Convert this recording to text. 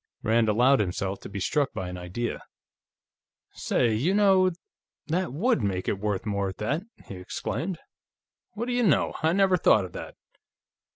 Rand allowed himself to be struck by an idea. "Say, you know, that would make it worth more, at that!" he exclaimed. "What do you know! I never thought of that....